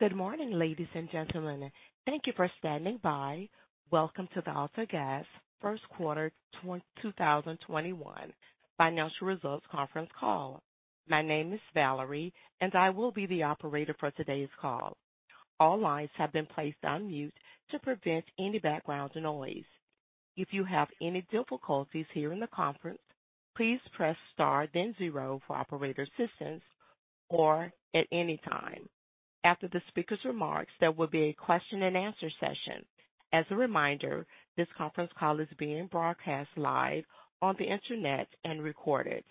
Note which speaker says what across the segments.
Speaker 1: Good morning, ladies and gentlemen. Thank you for standing by. Welcome to the AltaGas First Quarter 2021 Financial Results Conference Call. My name is Valerie, and I will be the operator for today's call. All lines have been placed on mute to prevent any background noise. If you have any difficulties hearing the conference, please press star then zero for operator assistance or at any time. After the speakers' remarks, there will be a question and answer session. As a reminder, this conference call is being broadcast live on the internet and recorded.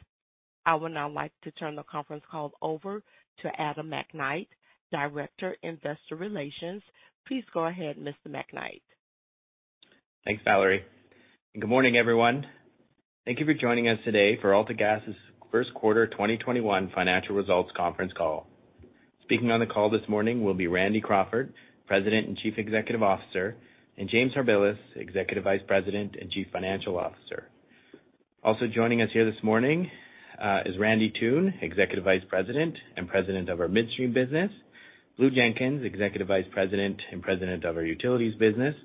Speaker 1: I would now like to turn the conference call over to Adam McKnight, Director, Investor Relations. Please go ahead, Mr. McKnight.
Speaker 2: Thanks, Valerie, and good morning, everyone. Thank you for joining us today for AltaGas's First Quarter 2021 Financial Results Conference Call. Speaking on the call this morning will be Randy Crawford, President and Chief Executive Officer, and James Harbilas, Executive Vice President and Chief Financial Officer. Also joining us here this morning, is Randy Toone, Executive Vice President and President of our Midstream business, Blue Jenkins, Executive Vice President and President of our Utilities business,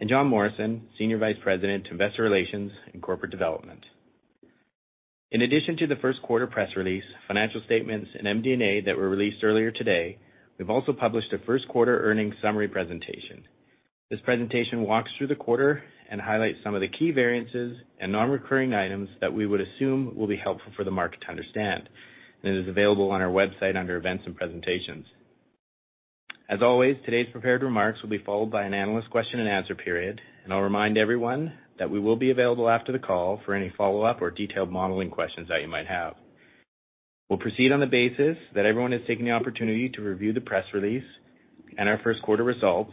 Speaker 2: and Jon Morrison, Senior Vice President, Investor Relations and Corporate Development. In addition to the first quarter press release, financial statements, and MD&A that were released earlier today, we've also published a first-quarter earnings summary presentation. This presentation walks through the quarter and highlights some of the key variances and non-recurring items that we would assume will be helpful for the market to understand. It is available on our website under Events and Presentations. As always, today's prepared remarks will be followed by an analyst question and answer period. I'll remind everyone that we will be available after the call for any follow-up or detailed modeling questions that you might have. We'll proceed on the basis that everyone has taken the opportunity to review the press release and our first quarter results.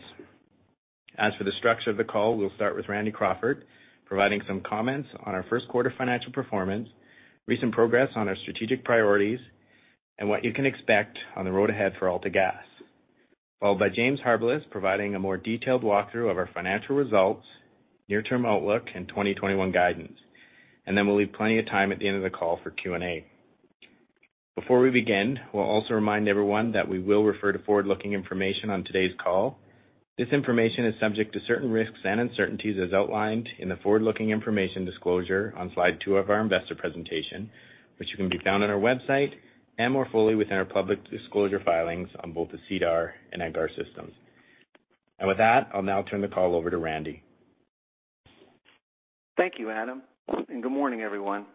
Speaker 2: As for the structure of the call, we'll start with Randy Crawford providing some comments on our first quarter financial performance, recent progress on our strategic priorities, and what you can expect on the road ahead for AltaGas. Followed by James Harbilas providing a more detailed walkthrough of our financial results, near-term outlook, and 2021 guidance. Then we'll leave plenty of time at the end of the call for Q&A. Before we begin, we'll also remind everyone that we will refer to forward-looking information on today's call. This information is subject to certain risks and uncertainties as outlined in the forward-looking information disclosure on slide two of our investor presentation, which can be found on our website and more fully within our public disclosure filings on both the SEDAR and EDGAR systems. With that, I'll now turn the call over to Randy.
Speaker 3: Thank you, Adam, and good morning, everyone.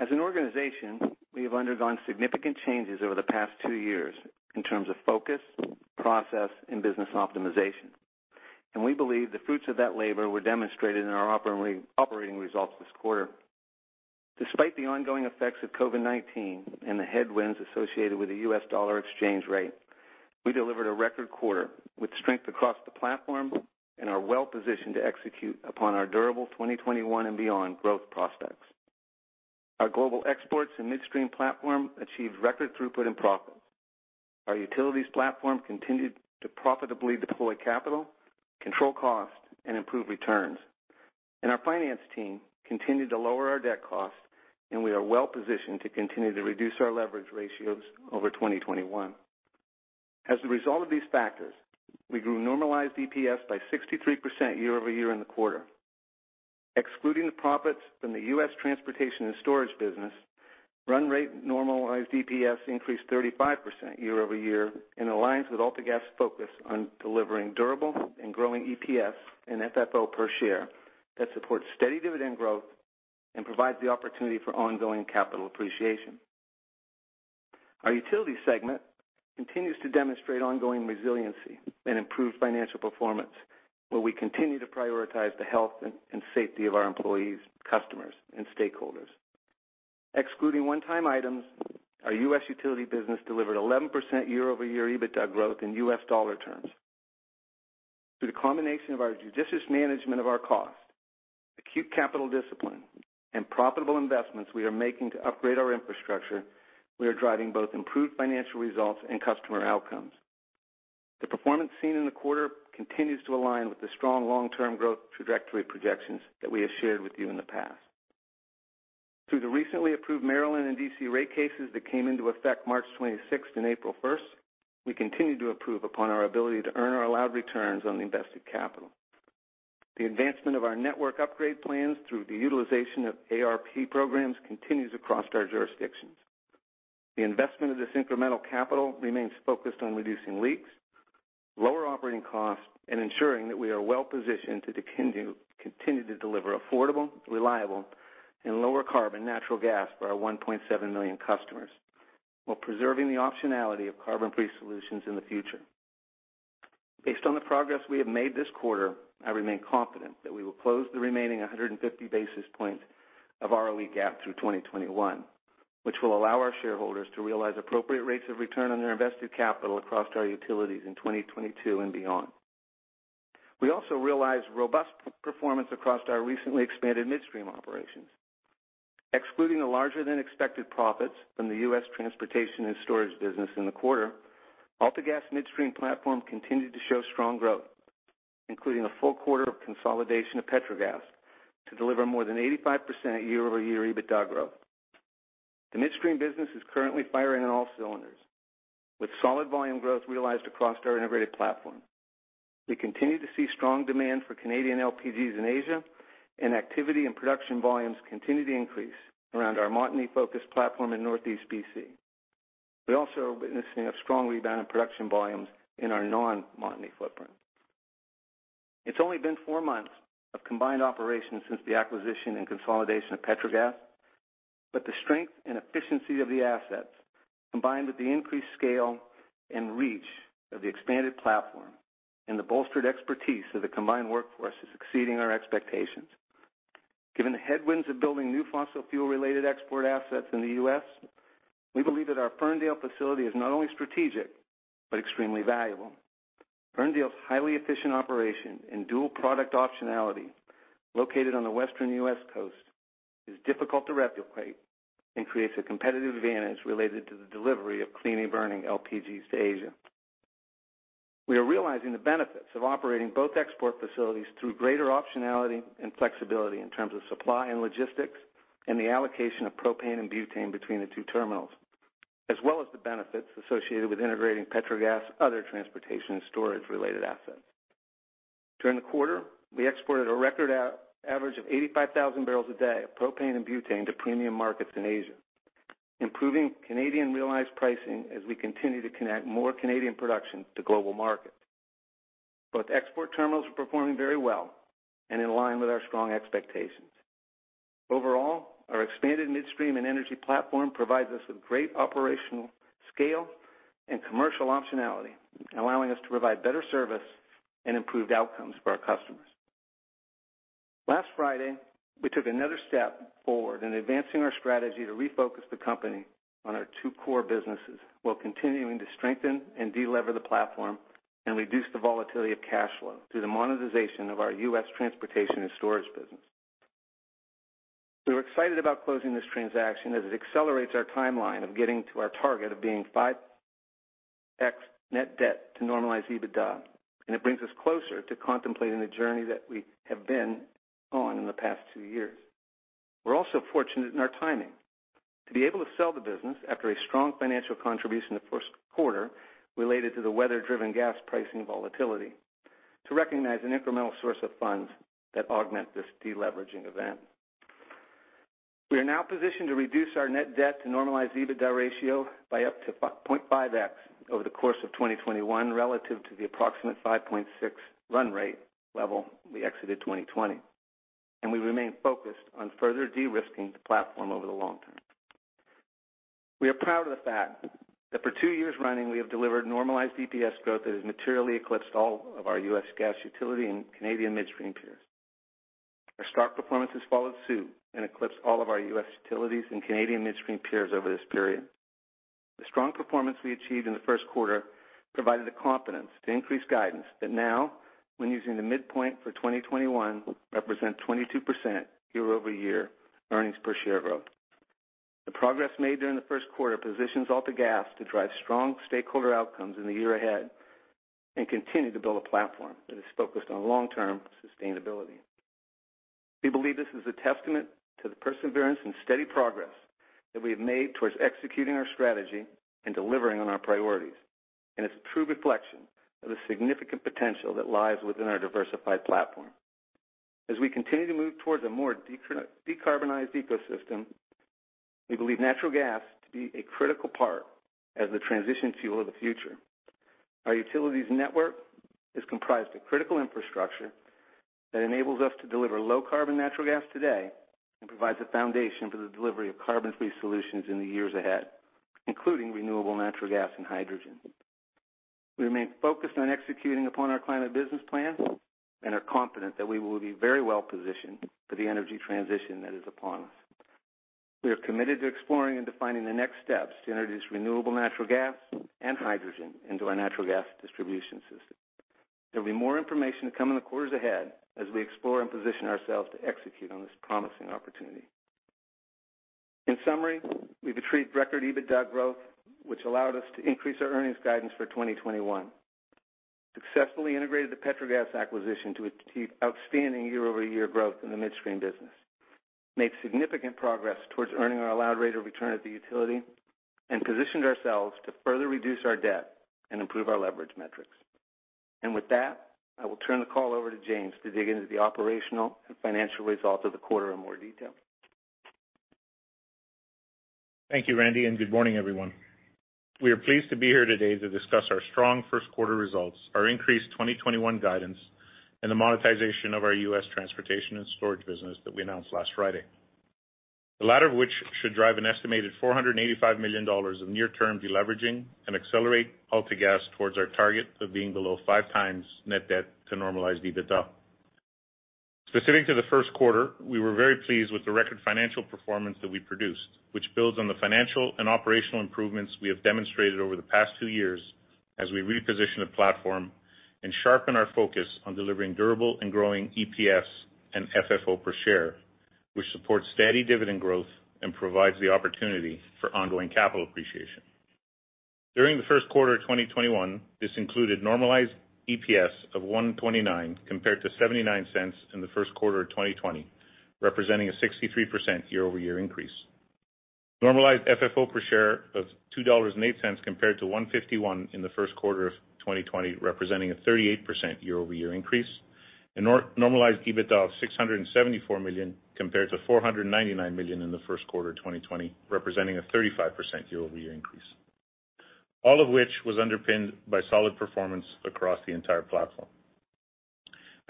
Speaker 3: As an organization, we have undergone significant changes over the past two years in terms of focus, process, and business optimization. We believe the fruits of that labor were demonstrated in our operating results this quarter. Despite the ongoing effects of COVID-19 and the headwinds associated with the U.S. dollar exchange rate, we delivered a record quarter with strength across the platform and are well-positioned to execute upon our durable 2021 and beyond growth prospects. Our global exports and midstream platform achieved record throughput and profit. Our utilities platform continued to profitably deploy capital, control cost, and improve returns. Our finance team continued to lower our debt cost, and we are well-positioned to continue to reduce our leverage ratios over 2021. As a result of these factors, we grew normalized EPS by 63% year-over-year in the quarter. Excluding the profits from the U.S. transportation and storage business, run rate normalized EPS increased 35% year-over-year in alliance with AltaGas focus on delivering durable and growing EPS and FFO per share that supports steady dividend growth and provides the opportunity for ongoing capital appreciation. Our utility segment continues to demonstrate ongoing resiliency and improved financial performance, where we continue to prioritize the health and safety of our employees, customers, and stakeholders. Excluding one-time items, our U.S. utility business delivered 11% year-over-year EBITDA growth in U.S. dollar terms. Through the combination of our judicious management of our cost, acute capital discipline, and profitable investments we are making to upgrade our infrastructure, we are driving both improved financial results and customer outcomes. The performance seen in the quarter continues to align with the strong long-term growth trajectory projections that we have shared with you in the past. Through the recently approved Maryland and D.C. rate cases that came into effect March 26th and April 1st, we continue to improve upon our ability to earn our allowed returns on invested capital. The advancement of our network upgrade plans through the utilization of ARP programs continues across our jurisdictions. The investment of this incremental capital remains focused on reducing leaks, lower operating costs, and ensuring that we are well-positioned to continue to deliver affordable, reliable, and lower carbon natural gas for our 1.7 million customers while preserving the optionality of carbon-free solutions in the future. Based on the progress we have made this quarter, I remain confident that we will close the remaining 150 basis points of ROE gap through 2021, which will allow our shareholders to realize appropriate rates of return on their invested capital across our utilities in 2022 and beyond. We also realized robust performance across our recently expanded midstream operations. Excluding the larger than expected profits from the U.S. transportation and storage business in the quarter, AltaGas midstream platform continued to show strong growth. Including a full quarter of consolidation of Petrogas to deliver more than 85% year-over-year EBITDA growth. The midstream business is currently firing on all cylinders with solid volume growth realized across our integrated platform. We continue to see strong demand for Canadian LPGs in Asia, and activity and production volumes continue to increase around our Montney-focused platform in Northeast B.C. We also are witnessing a strong rebound in production volumes in our non-Montney footprint. It's only been four months of combined operations since the acquisition and consolidation of Petrogas, but the strength and efficiency of the assets, combined with the increased scale and reach of the expanded platform and the bolstered expertise of the combined workforce, is exceeding our expectations. Given the headwinds of building new fossil fuel-related export assets in the U.S., we believe that our Ferndale facility is not only strategic but extremely valuable. Ferndale's highly efficient operation and dual-product optionality, located on the western U.S. coast, is difficult to replicate and creates a competitive advantage related to the delivery of cleanly burning LPGs to Asia. We are realizing the benefits of operating both export facilities through greater optionality and flexibility in terms of supply and logistics and the allocation of propane and butane between the two terminals, as well as the benefits associated with integrating Petrogas' other transportation and storage-related assets. During the quarter, we exported a record average of 85,000 barrels a day of propane and butane to premium markets in Asia, improving Canadian realized pricing as we continue to connect more Canadian production to global markets. Both export terminals are performing very well and in line with our strong expectations. Overall, our expanded midstream and energy platform provides us with great operational scale and commercial optionality, allowing us to provide better service and improved outcomes for our customers. Last Friday, we took another step forward in advancing our strategy to refocus the company on our two core businesses while continuing to strengthen and delever the platform and reduce the volatility of cash flow through the monetization of our U.S. transportation and storage business. We were excited about closing this transaction as it accelerates our timeline of getting to our target of being 5x net debt to normalized EBITDA, and it brings us closer to contemplating the journey that we have been on in the past two years. We are also fortunate in our timing to be able to sell the business after a strong financial contribution the first quarter related to the weather-driven gas pricing volatility to recognize an incremental source of funds that augment this deleveraging event. We are now positioned to reduce our net debt to normalized EBITDA ratio by up to 0.5x over the course of 2021 relative to the approximate 5.6 run rate level we exited 2020, and we remain focused on further de-risking the platform over the long term. We are proud of the fact that for two years running, we have delivered normalized EPS growth that has materially eclipsed all of our U.S. gas utility and Canadian midstream peers. Our stock performance has followed suit and eclipsed all of our U.S. utilities and Canadian midstream peers over this period. The strong performance we achieved in the first quarter provided the confidence to increase guidance that now when using the midpoint for 2021, represent 22% year-over-year earnings per share growth. The progress made during the first quarter positions AltaGas to drive strong stakeholder outcomes in the year ahead and continue to build a platform that is focused on long-term sustainability. We believe this is a testament to the perseverance and steady progress that we have made towards executing our strategy and delivering on our priorities, and it's a true reflection of the significant potential that lies within our diversified platform. As we continue to move towards a more decarbonized ecosystem, we believe natural gas to be a critical part as the transition fuel of the future. Our utilities network is comprised of critical infrastructure that enables us to deliver low-carbon natural gas today and provides a foundation for the delivery of carbon-free solutions in the years ahead, including renewable natural gas and hydrogen. We remain focused on executing upon our climate business plan and are confident that we will be very well-positioned for the energy transition that is upon us. We are committed to exploring and defining the next steps to introduce renewable natural gas and hydrogen into our natural gas distribution system. There'll be more information to come in the quarters ahead as we explore and position ourselves to execute on this promising opportunity. In summary, we've achieved record EBITDA growth, which allowed us to increase our earnings guidance for 2021, successfully integrated the Petrogas acquisition to achieve outstanding year-over-year growth in the midstream business, made significant progress towards earning our allowed rate of return at the utility, and positioned ourselves to further reduce our debt and improve our leverage metrics. With that, I will turn the call over to James to dig into the operational and financial results of the quarter in more detail.
Speaker 4: Thank you, Randy, and good morning, everyone. We are pleased to be here today to discuss our strong first quarter results, our increased 2021 guidance, and the monetization of our U.S. transportation and storage business that we announced last Friday. The latter of which should drive an estimated $485 million of near-term deleveraging and accelerate AltaGas towards our target of being below five times net debt to normalized EBITDA. Specific to the first quarter, we were very pleased with the record financial performance that we produced, which builds on the financial and operational improvements we have demonstrated over the past two years as we reposition the platform and sharpen our focus on delivering durable and growing EPS and FFO per share, which supports steady dividend growth and provides the opportunity for ongoing capital appreciation. During the first quarter of 2021, this included normalized EPS of 1.29 compared to 0.79 in the first quarter of 2020, representing a 63% year-over-year increase. Normalized FFO per share of 2.08 dollars compared to 1.51 in the first quarter of 2020, representing a 38% year-over-year increase. Normalized EBITDA of CAD 674 million compared to CAD 499 million in the first quarter of 2020, representing a 35% year-over-year increase. All of which was underpinned by solid performance across the entire platform.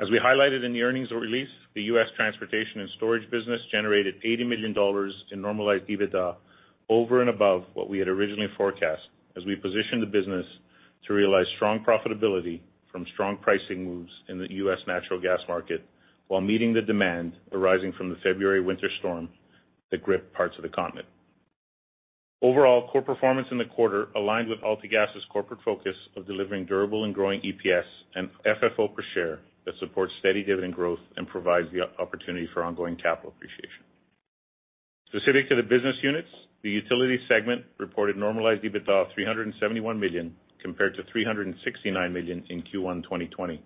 Speaker 4: As we highlighted in the earnings release, the U.S. transportation and storage business generated $80 million in normalized EBITDA over and above what we had originally forecast as we position the business to realize strong profitability from strong pricing moves in the U.S. natural gas market, while meeting the demand arising from the February winter storm that gripped parts of the continent. Overall, core performance in the quarter aligned with AltaGas's corporate focus of delivering durable and growing EPS and FFO per share that supports steady dividend growth and provides the opportunity for ongoing capital appreciation. Specific to the business units, the utility segment reported normalized EBITDA of 371 million compared to 369 million in Q1 2020.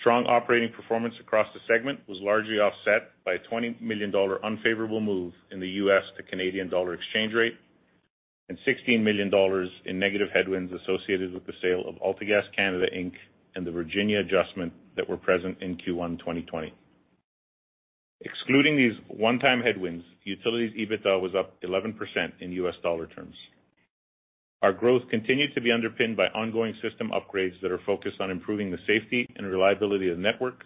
Speaker 4: Strong operating performance across the segment was largely offset by a 20 million dollar unfavorable move in the USD to CAD exchange rate and 16 million dollars in negative headwinds associated with the sale of AltaGas Canada Inc. and the Virginia adjustment that were present in Q1 2020. Excluding these one-time headwinds, utilities EBITDA was up 11% in USD terms. Our growth continued to be underpinned by ongoing system upgrades that are focused on improving the safety and reliability of the network,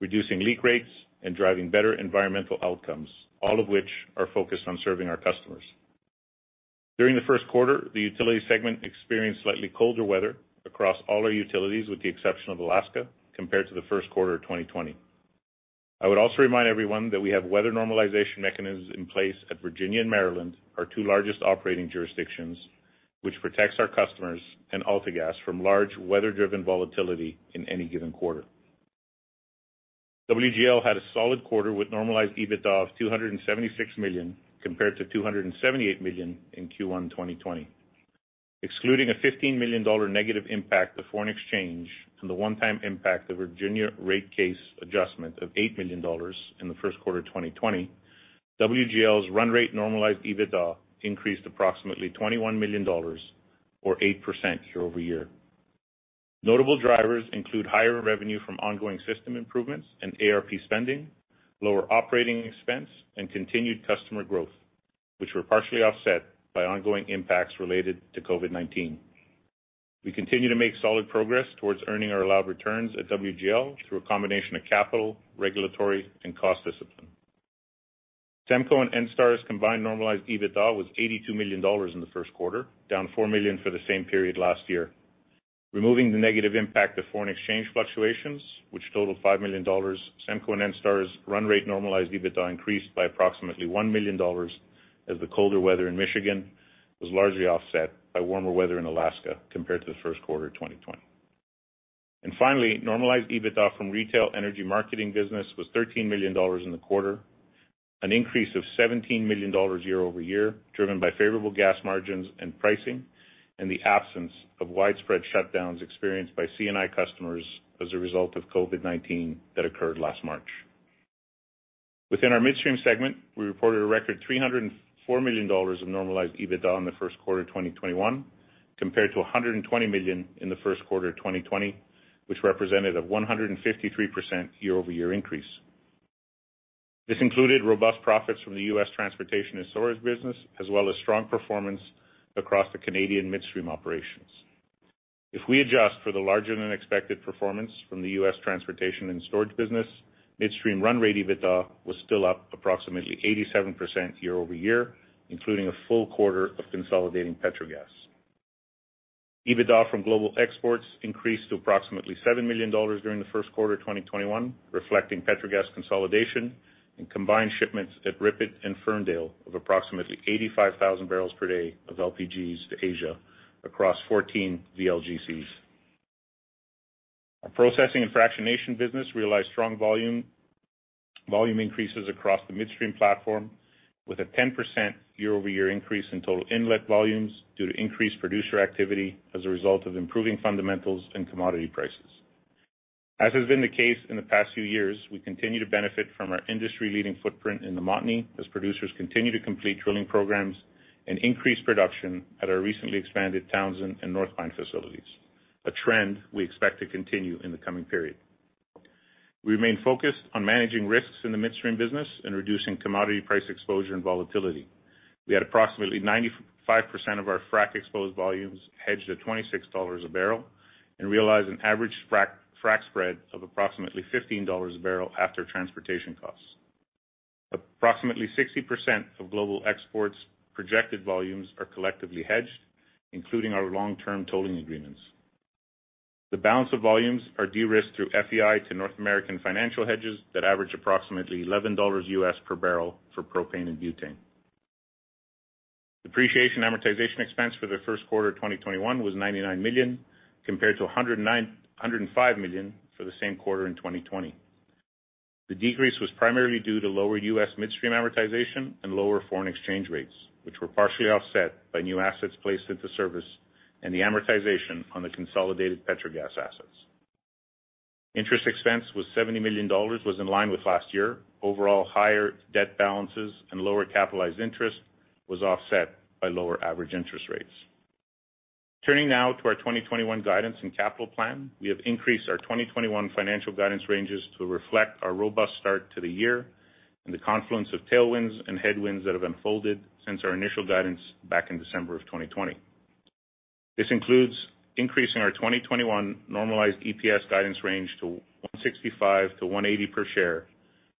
Speaker 4: reducing leak rates, and driving better environmental outcomes, all of which are focused on serving our customers. During the first quarter, the utility segment experienced slightly colder weather across all our utilities, with the exception of Alaska, compared to the first quarter of 2020. I would also remind everyone that we have weather normalization mechanisms in place at Virginia and Maryland, our two largest operating jurisdictions, which protects our customers and AltaGas from large weather-driven volatility in any given quarter. WGL had a solid quarter with normalized EBITDA of 276 million compared to 278 million in Q1 2020. Excluding a 15 million dollar negative impact of foreign exchange and the one-time impact of Virginia rate case adjustment of 8 million dollars in the first quarter of 2020, WGL's run rate normalized EBITDA increased approximately 21 million dollars or 8% year-over-year. Notable drivers include higher revenue from ongoing system improvements and ARP spending, lower operating expense, and continued customer growth, which were partially offset by ongoing impacts related to COVID-19. We continue to make solid progress towards earning our allowed returns at WGL through a combination of capital, regulatory, and cost discipline. SEMCO and Enstar's combined normalized EBITDA was 82 million dollars in the first quarter, down 4 million for the same period last year. Removing the negative impact of foreign exchange fluctuations, which totaled 5 million dollars, SEMCO and Enstar's run rate normalized EBITDA increased by approximately 1 million dollars, as the colder weather in Michigan was largely offset by warmer weather in Alaska compared to the first quarter of 2020. Finally, normalized EBITDA from retail energy marketing business was 13 million dollars in the quarter, an increase of 17 million dollars year-over-year, driven by favorable gas margins and pricing and the absence of widespread shutdowns experienced by C&I customers as a result of COVID-19 that occurred last March. Within our midstream segment, we reported a record 304 million dollars of normalized EBITDA in the first quarter 2021 compared to 120 million in the first quarter of 2020, which represented a 153% year-over-year increase. This included robust profits from the U.S. transportation and storage business, as well as strong performance across the Canadian midstream operations. If we adjust for the larger-than-expected performance from the U.S. transportation and storage business, midstream run rate EBITDA was still up approximately 87% year-over-year, including a full quarter of consolidating Petrogas. EBITDA from global exports increased to approximately 7 million dollars during the first quarter of 2021, reflecting Petrogas consolidation and combined shipments at RIPET and Ferndale of approximately 85,000 barrels per day of LPGs to Asia across 14 VLGCs. Our processing and fractionation business realized strong volume increases across the midstream platform with a 10% year-over-year increase in total inlet volumes due to increased producer activity as a result of improving fundamentals and commodity prices. As has been the case in the past few years, we continue to benefit from our industry-leading footprint in the Montney as producers continue to complete drilling programs and increase production at our recently expanded Townsend and North Pine facilities, a trend we expect to continue in the coming period. We remain focused on managing risks in the midstream business and reducing commodity price exposure and volatility. We had approximately 95% of our frack-exposed volumes hedged at 26 dollars a barrel and realized an average frack spread of approximately 15 dollars a barrel after transportation costs. Approximately 60% of global exports projected volumes are collectively hedged, including our long-term tolling agreements. The balance of volumes are de-risked through FEI to North American financial hedges that average approximately $11 U.S. per barrel for propane and butane. Depreciation amortization expense for the first quarter 2021 was 99 million, compared to 105 million for the same quarter in 2020. The decrease was primarily due to lower U.S. midstream amortization and lower foreign exchange rates, which were partially offset by new assets placed into service and the amortization on the consolidated Petrogas assets. Interest expense was CAD 70 million, in line with last year. Higher debt balances and lower capitalized interest was offset by lower average interest rates. Turning now to our 2021 guidance and capital plan. We have increased our 2021 financial guidance ranges to reflect our robust start to the year and the confluence of tailwinds and headwinds that have unfolded since our initial guidance back in December of 2020. This includes increasing our 2021 normalized EPS guidance range to 1.65-1.80 per share,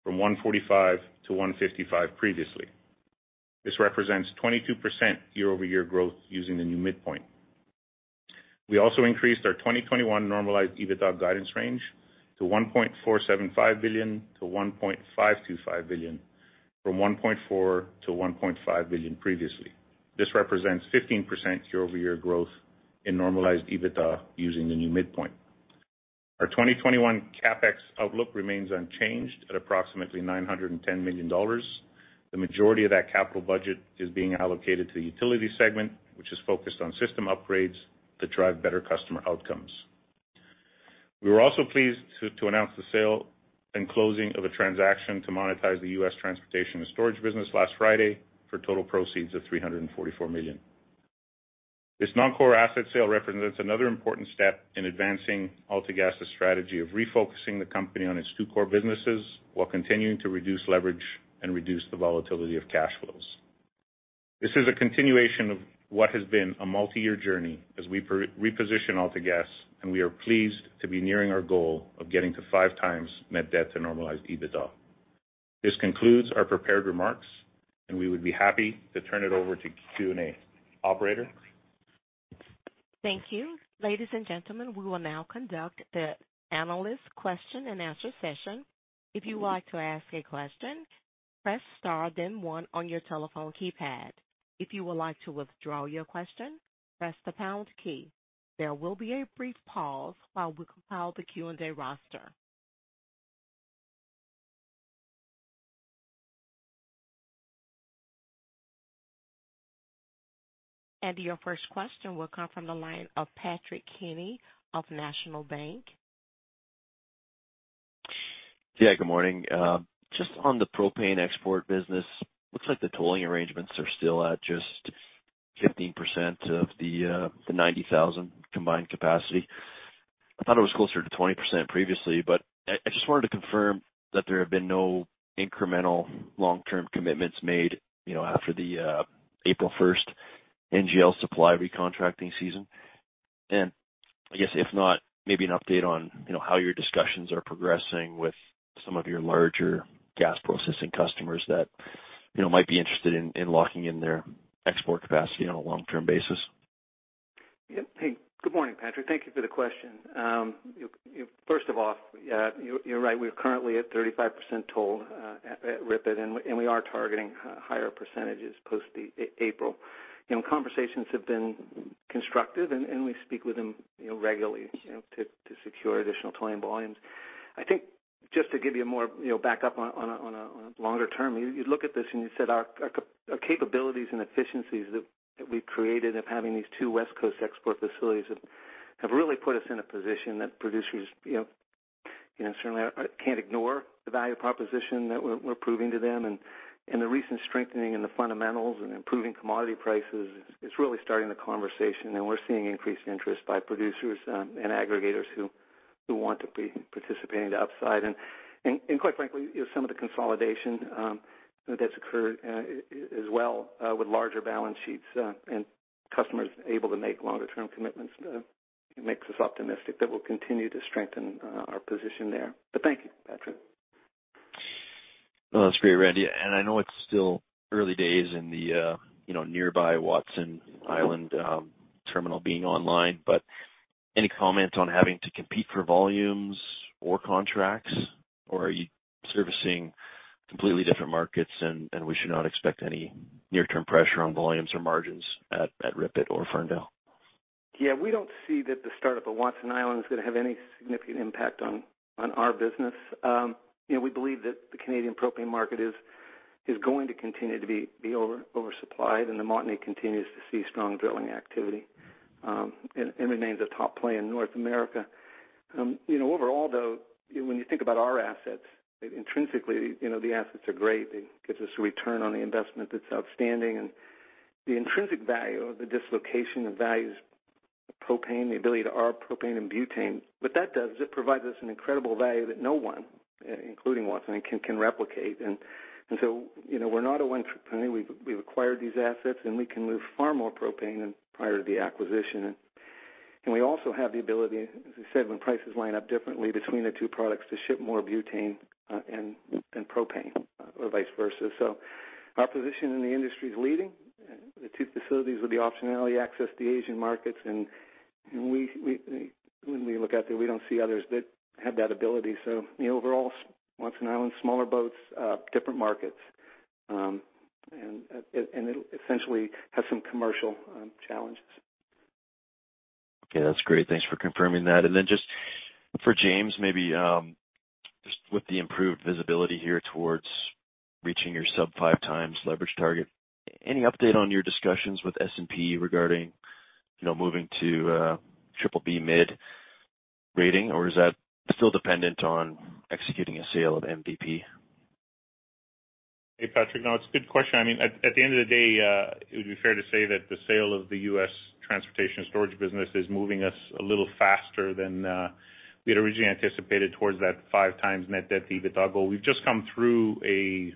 Speaker 4: from 1.45-1.55 previously. This represents 22% year-over-year growth using the new midpoint. We also increased our 2021 normalized EBITDA guidance range to 1.475 billion-1.525 billion from 1.4 billion-1.5 billion previously. This represents 15% year-over-year growth in normalized EBITDA using the new midpoint. Our 2021 CapEx outlook remains unchanged at approximately 910 million dollars. The majority of that capital budget is being allocated to the utility segment, which is focused on system upgrades that drive better customer outcomes. We were also pleased to announce the sale and closing of a transaction to monetize the U.S. transportation and storage business last Friday for total proceeds of 344 million. This non-core asset sale represents another important step in advancing AltaGas's strategy of refocusing the company on its two core businesses while continuing to reduce leverage and reduce the volatility of cash flows. This is a continuation of what has been a multi-year journey as we reposition AltaGas, and we are pleased to be nearing our goal of getting to five times net debt to normalized EBITDA. This concludes our prepared remarks, and we would be happy to turn it over to Q&A. Operator?
Speaker 1: Thank you. Ladies and gentlemen, we will now conduct the analyst question-and-answer session. If you would like to ask a question, press star then one on your telephone keypad. If you like to withdraw your question, press the pound key. There will be a brief pause while we compile the Q&A roster. Your first question will come from the line of Patrick Kenny of National Bank.
Speaker 5: Yeah, good morning. Just on the propane export business, looks like the tolling arrangements are still at just 15% of the 90,000 combined capacity. I thought it was closer to 20% previously, I just wanted to confirm that there have been no incremental long-term commitments made after the April 1st NGL supply recontracting season. I guess if not, maybe an update on how your discussions are progressing with some of your larger gas processing customers that might be interested in locking in their export capacity on a long-term basis.
Speaker 3: Yeah. Hey, good morning, Patrick. Thank you for the question. First of all, you're right. We are currently at 35% toll at RIPET, we are targeting higher percentages post April. Conversations have been constructive and we speak with them regularly to secure additional tolling volumes. I think just to give you more backup on a longer term, you look at this and you said our capabilities and efficiencies that we've created of having these two West Coast export facilities have really put us in a position that producers certainly can't ignore the value proposition that we're proving to them. The recent strengthening in the fundamentals and improving commodity prices is really starting the conversation, and we're seeing increased interest by producers and aggregators who want to be participating outside. Quite frankly, some of the consolidation that's occurred as well with larger balance sheets and customers able to make longer-term commitments makes us optimistic that we'll continue to strengthen our position there. Thank you, Patrick.
Speaker 5: That's great, Randy. I know it's still early days in the nearby Watson Island terminal being online, but any comments on having to compete for volumes or contracts, or are you servicing completely different markets and we should not expect any near-term pressure on volumes or margins at RIPET or Ferndale?
Speaker 3: We don't see that the startup of Watson Island is going to have any significant impact on our business. We believe that the Canadian propane market is going to continue to be oversupplied, and the Montney continues to see strong drilling activity and remains a top play in North America. Overall, though, when you think about our assets intrinsically, the assets are great. It gives us a return on the investment that's outstanding and the intrinsic value of the dislocation of values of propane, the ability to arb propane and butane. What that does is it provides us an incredible value that no one, including Watson, can replicate. We're not a one-trick pony. We've acquired these assets, and we can move far more propane than prior to the acquisition. We also have the ability, as I said, when prices line up differently between the two products, to ship more butane than propane or vice versa. Our position in the industry is leading. The two facilities with the optionality access the Asian markets, and when we look out there, we don't see others that have that ability. Overall, Watson Island, smaller boats, different markets, and it'll essentially have some commercial challenges.
Speaker 5: Okay, that's great. Thanks for confirming that. Just for James, maybe just with the improved visibility here towards reaching your sub five times leverage target, any update on your discussions with S&P regarding moving to BBB mid rating, or is that still dependent on executing a sale of MVP?
Speaker 4: Hey, Patrick. It's a good question. At the end of the day, it would be fair to say that the sale of the U.S. transportation and storage business is moving us a little faster than we had originally anticipated towards that five times net debt to EBITDA goal. We've just come through a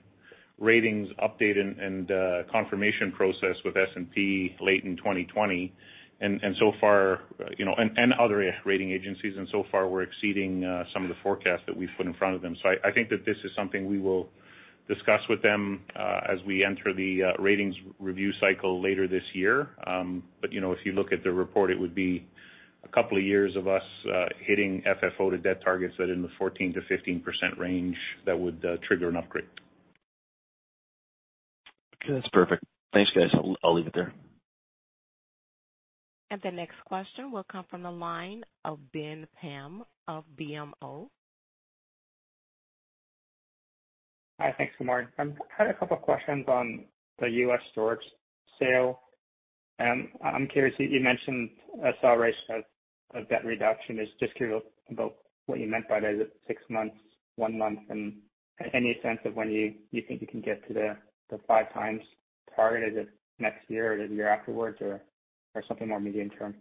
Speaker 4: ratings update and confirmation process with S&P late in 2020 and other rating agencies, and so far we're exceeding some of the forecasts that we've put in front of them. I think that this is something we will discuss with them, as we enter the ratings review cycle later this year. If you look at the report, it would be a couple of years of us hitting FFO to debt targets that are in the 14%-15% range that would trigger an upgrade.
Speaker 5: Okay, that's perfect. Thanks, guys. I'll leave it there.
Speaker 1: The next question will come from the line of Ben Pham of BMO.
Speaker 6: Hi. Thanks, Lamar. I had a couple questions on the U.S. storage sale. I'm curious, you mentioned acceleration of debt reduction. Just curious about what you meant by that. Is it six months, one month? Any sense of when you think you can get to the five times target? Is it next year or the year afterwards or something more medium term?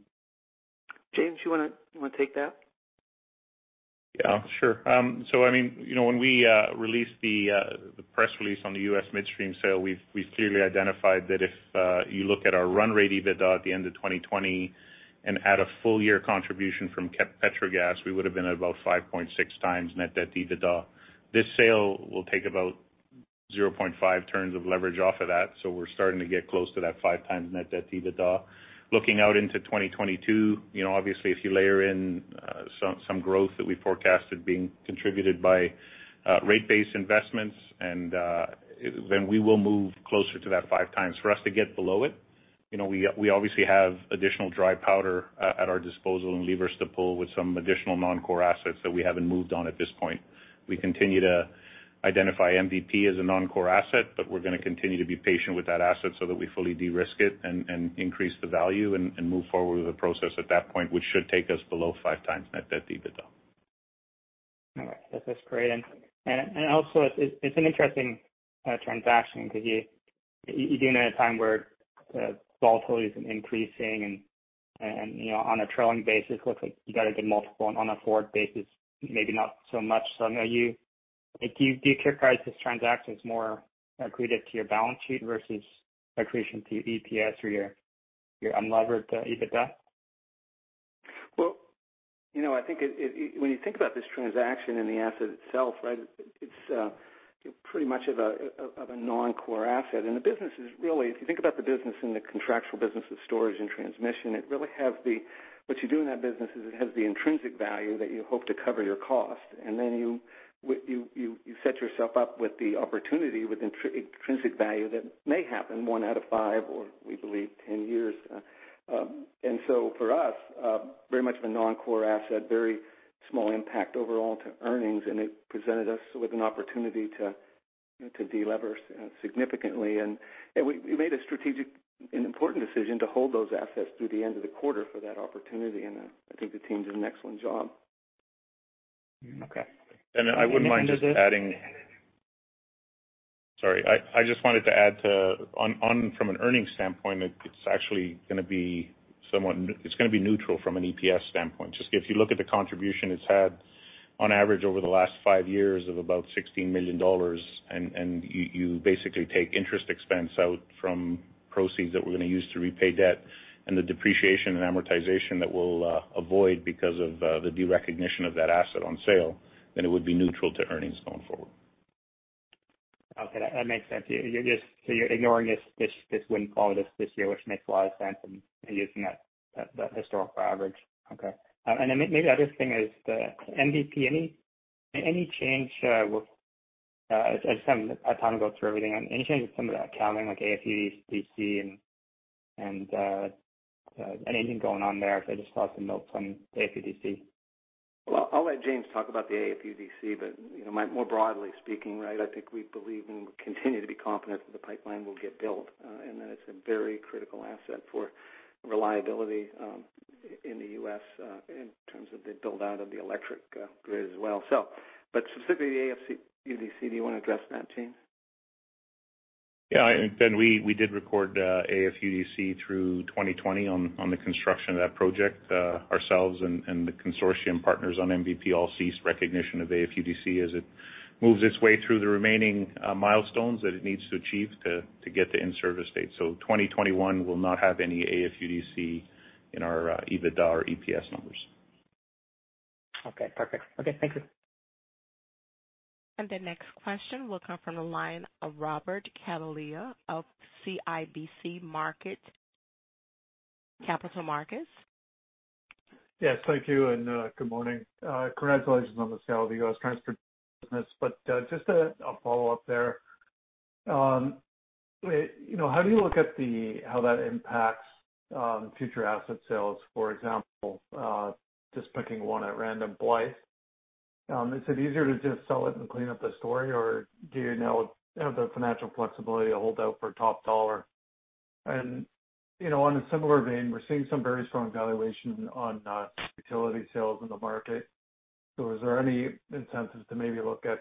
Speaker 3: James, you want to take that?
Speaker 4: Yeah. Sure. When we released the press release on the U.S. Midstream sale, we've clearly identified that if you look at our run rate EBITDA at the end of 2020 and add a full year contribution from Petrogas, we would've been at about 5.6x net debt to EBITDA. This sale will take about 0.5 turns of leverage off of that, so we're starting to get close to that 5x net debt to EBITDA. Looking out into 2022, obviously if you layer in some growth that we forecasted being contributed by rate-based investments, then we will move closer to that five times. For us to get below it, we obviously have additional dry powder at our disposal and levers to pull with some additional non-core assets that we haven't moved on at this point. We continue to identify MVP as a non-core asset. We're going to continue to be patient with that asset so that we fully de-risk it and increase the value and move forward with the process at that point, which should take us below five times net debt to EBITDA.
Speaker 6: Okay. That's great. It's an interesting transaction because you're doing it at a time where volatility is increasing and on a trailing basis, looks like you got a good multiple and on a forward basis, maybe not so much. Do you characterize this transaction as more accretive to your balance sheet versus accretion to your EPS or your unlevered EBITDA?
Speaker 3: Well, when you think about this transaction and the asset itself, it's pretty much of a non-core asset. If you think about the business and the contractual business of storage and transmission, what you do in that business is it has the intrinsic value that you hope to cover your cost. Then you set yourself up with the opportunity with intrinsic value that may happen one out of five or we believe 10 years. For us, very much of a non-core asset, very small impact overall to earnings, and it presented us with an opportunity to de-leverage significantly. We made a strategic and important decision to hold those assets through the end of the quarter for that opportunity, and I think the team did an excellent job.
Speaker 6: Okay.
Speaker 4: I just wanted to add from an earnings standpoint, it's actually going to be neutral from an EPS standpoint. Just if you look at the contribution it's had on average over the last five years of about 16 million dollars and you basically take interest expense out from proceeds that we're going to use to repay debt and the depreciation and amortization that we'll avoid because of the derecognition of that asset on sale, then it would be neutral to earnings going forward.
Speaker 6: Okay. That makes sense. You're ignoring this windfall this year, which makes a lot of sense and using that historical average. Okay. Maybe the other thing is the MVP. I just haven't had time to go through everything. Any change with some of the accounting, like AFUDC and anything going on there? Because I just saw some notes on AFUDC.
Speaker 3: I'll let James talk about the AFUDC, but more broadly speaking, I think we believe and continue to be confident that the pipeline will get built. That it's a very critical asset for reliability in the U.S. in terms of the build-out of the electric grid as well. Specifically the AFUDC, do you want to address that, James?
Speaker 4: Yeah. Ben, we did record AFUDC through 2020 on the construction of that project, ourselves and the consortium partners on MVP all cease recognition of AFUDC as it moves its way through the remaining milestones that it needs to achieve to get to in-service date. 2021 will not have any AFUDC in our EBITDA or EPS numbers.
Speaker 6: Okay, perfect. Okay. Thank you.
Speaker 1: The next question will come from the line of Robert Catellier of CIBC Capital Markets.
Speaker 7: Yes, thank you and good morning. Congratulations on the sale of the U.S. transportation business. Just a follow-up there. How do you look at how that impacts future asset sales? For example, just picking one at random, Blythe. Is it easier to just sell it and clean up the story, or do you now have the financial flexibility to hold out for top dollar? On a similar vein, we're seeing some very strong valuation on utility sales in the market. Is there any incentives to maybe look at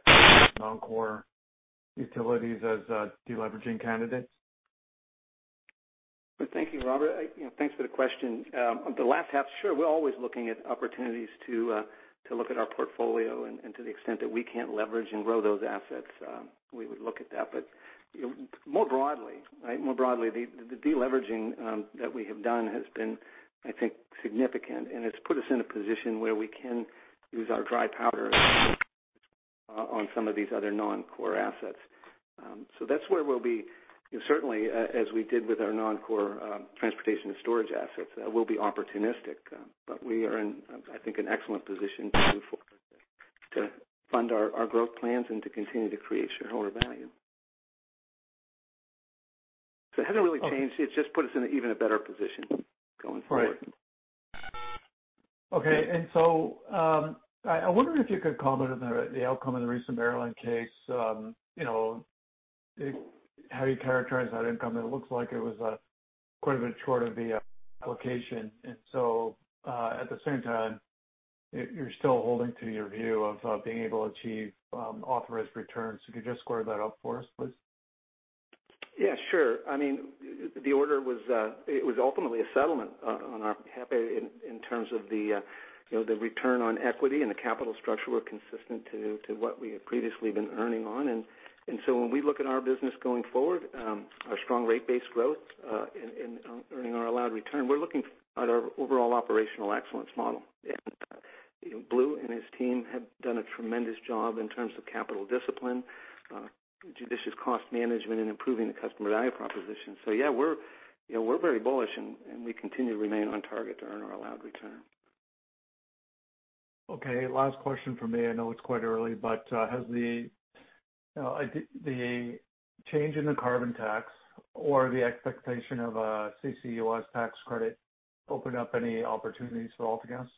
Speaker 7: non-core utilities as de-leveraging candidates?
Speaker 3: Thank you, Robert. Thanks for the question. On the last half, sure. We're always looking at opportunities to look at our portfolio. To the extent that we can't leverage and grow those assets, we would look at that. More broadly, the de-leveraging that we have done has been, I think, significant, and it's put us in a position where we can use our dry powder on some of these other non-core assets. That's where we'll be. Certainly, as we did with our non-core transportation and storage assets, we'll be opportunistic. We are in, I think, an excellent position to fund our growth plans and to continue to create shareholder value. It hasn't really changed. It's just put us in an even better position going forward.
Speaker 7: Right. Okay. I wondered if you could comment on the outcome of the recent Maryland case. How do you characterize that income? It looks like it was quite a bit short of the application. At the same time, you're still holding to your view of being able to achieve authorized returns. If you could just square that up for us, please.
Speaker 3: Yeah, sure. The order was ultimately a settlement on our HEAP in terms of the return on equity and the capital structure were consistent to what we had previously been earning on. When we look at our business going forward, our strong rate base growth in earning our allowed return, we're looking at our overall operational excellence model. Blue and his team have done a tremendous job in terms of capital discipline, judicious cost management, and improving the customer value proposition. Yeah, we're very bullish, and we continue to remain on target to earn our allowed return.
Speaker 7: Okay. Last question from me. I know it's quite early, but has the change in the carbon tax or the expectation of a CCUS tax credit opened up any opportunities for AltaGas?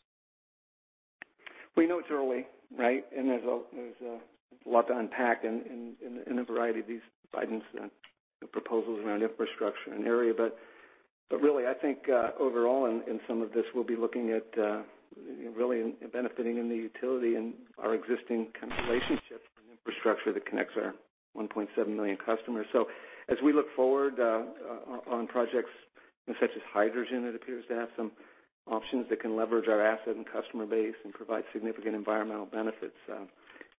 Speaker 3: We know it's early, right? There's a lot to unpack in a variety of these guidance proposals around infrastructure and area. Really, I think, overall in some of this, we'll be looking at really benefiting in the utility and our existing kind of relationships and infrastructure that connects our 1.7 million customers. As we look forward on projects such as hydrogen, it appears to have some options that can leverage our asset and customer base and provide significant environmental benefits.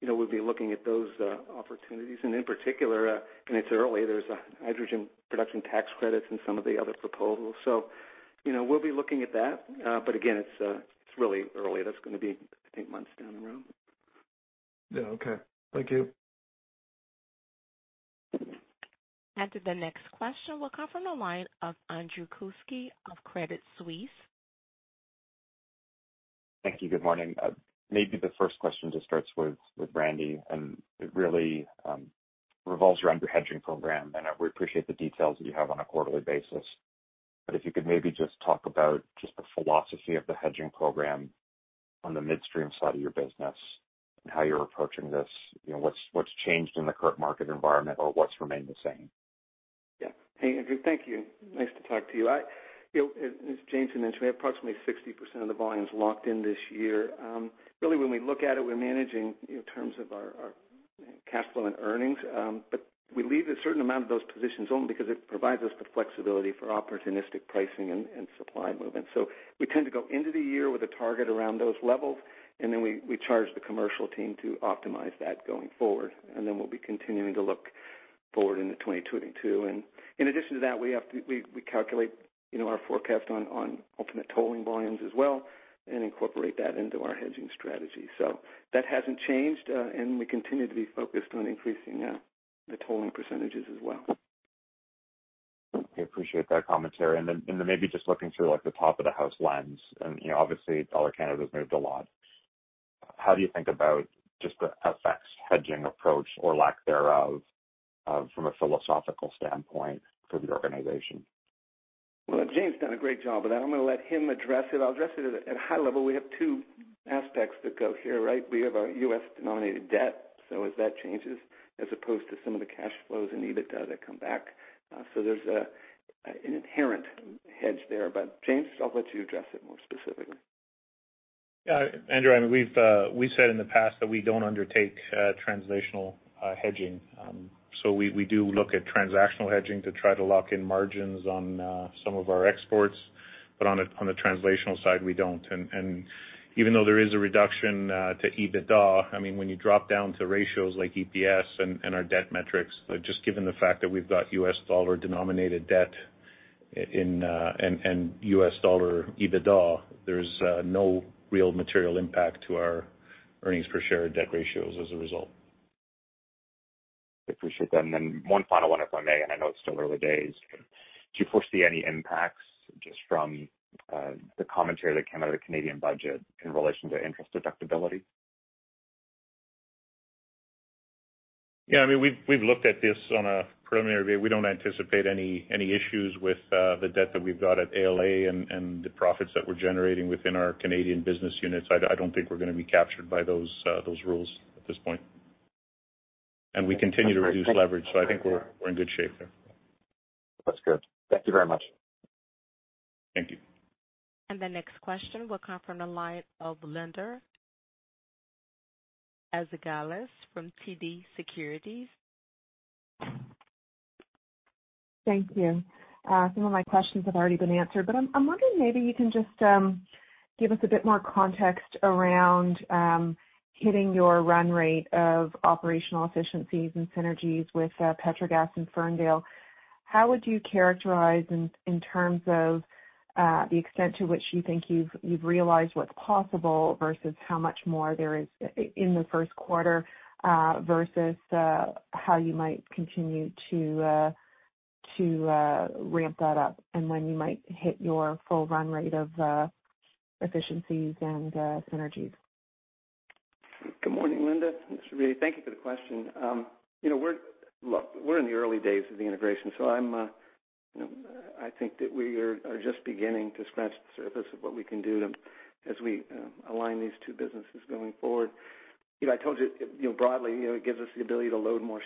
Speaker 3: We'll be looking at those opportunities, and in particular, and it's early, there's a hydrogen production tax credits in some of the other proposals. We'll be looking at that. Again, it's really early. That's going to be eight months down the road.
Speaker 7: Yeah. Okay. Thank you.
Speaker 1: The next question will come from the line of Andrew Kuske of Credit Suisse.
Speaker 8: Thank you. Good morning. Maybe the first question just starts with Randy, and it really revolves around your hedging program, and we appreciate the details that you have on a quarterly basis. If you could maybe just talk about just the philosophy of the hedging program on the midstream side of your business and how you're approaching this. What's changed in the current market environment or what's remained the same?
Speaker 3: Hey, Andrew. Thank you. Nice to talk to you. As James had mentioned, we have approximately 60% of the volumes locked in this year. Really when we look at it, we're managing in terms of our cash flow and earnings. We leave a certain amount of those positions open because it provides us the flexibility for opportunistic pricing and supply movement. We tend to go into the year with a target around those levels, then we charge the commercial team to optimize that going forward. Then we'll be continuing to look forward into 2022. In addition to that, we calculate our forecast on ultimate tolling volumes as well and incorporate that into our hedging strategy. That hasn't changed. We continue to be focused on increasing the tolling percentages as well.
Speaker 8: Okay. Appreciate that commentary. Maybe just looking through the top-of-the-house lens, obviously dollar to Canada has moved a lot. How do you think about just the FX hedging approach or lack thereof from a philosophical standpoint for the organization?
Speaker 3: Well, James has done a great job of that. I'm going to let him address it. I'll address it at a high level. We have two aspects that go here, right? We have our U.S.-denominated debt, as that changes as opposed to some of the cash flows and EBITDA that come back. There's an inherent hedge there. James, I'll let you address it more specifically.
Speaker 4: Yeah, Andrew, we've said in the past that we don't undertake translational hedging. We do look at transactional hedging to try to lock in margins on some of our exports. On the translational side, we don't. Even though there is a reduction to EBITDA, when you drop down to ratios like EPS and our debt metrics, just given the fact that we've got U.S. dollar-denominated debt and U.S. dollar EBITDA, there's no real material impact to our earnings per share debt ratios as a result.
Speaker 8: Appreciate that. One final one, if I may, and I know it's still early days. Do you foresee any impacts just from the commentary that came out of the Canadian budget in relation to interest deductibility?
Speaker 4: Yeah, we've looked at this on a preliminary basis. We don't anticipate any issues with the debt that we've got at ALA and the profits that we're generating within our Canadian business units. I don't think we're going to be captured by those rules at this point. We continue to reduce leverage, so I think we're in good shape there.
Speaker 8: That's good. Thank you very much.
Speaker 4: Thank you.
Speaker 1: The next question will come from the line of Linda Ezergailis from TD Securities.
Speaker 9: Thank you. Some of my questions have already been answered. I'm wondering maybe you can just give us a bit more context around hitting your run rate of operational efficiencies and synergies with Petrogas and Ferndale. How would you characterize in terms of the extent to which you think you've realized what's possible versus how much more there is in the first quarter versus how you might continue to ramp that up and when you might hit your full run rate of efficiencies and synergies?
Speaker 3: Good morning, Linda. This is Randy. Thank you for the question. We're in the early days of the integration, I think that we are just beginning to scratch the surface of what we can do as we align these two businesses going forward. I told you, broadly, it gives us the ability to load more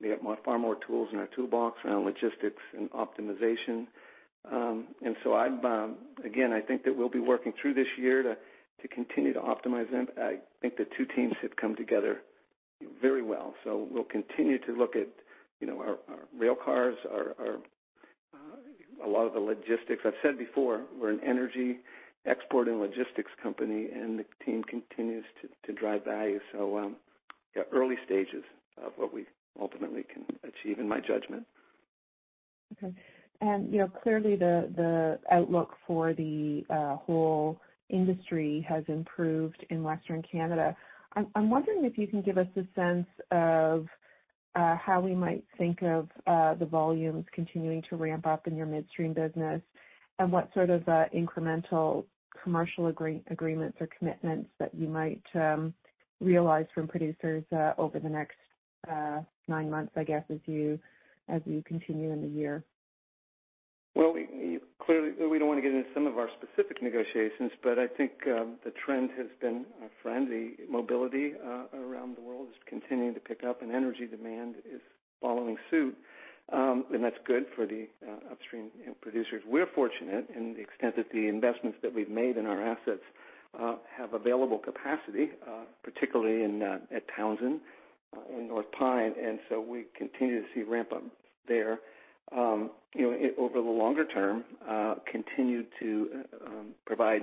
Speaker 3: ships. We have far more tools in our toolbox around logistics and optimization. Again, I think that we'll be working through this year to continue to optimize them. I think the two teams have come together very well. We'll continue to look at our rail cars, a lot of the logistics. I've said before, we're an energy export and logistics company, the team continues to drive value. Yeah, early stages of what we ultimately can achieve, in my judgment.
Speaker 9: Okay. Clearly the outlook for the whole industry has improved in Western Canada. I'm wondering if you can give us a sense of how we might think of the volumes continuing to ramp up in your midstream business and what sort of incremental commercial agreements or commitments that you might realize from producers over the next nine months, I guess, as you continue in the year.
Speaker 3: Well, clearly, we don't want to get into some of our specific negotiations, but I think the trend has been friendly. Mobility around the world is continuing to pick up and energy demand is following suit. That's good for the upstream producers. We're fortunate in the extent that the investments that we've made in our assets have available capacity, particularly at Townsend and North Pine, and so we continue to see ramp-ups there. Over the longer term, continue to provide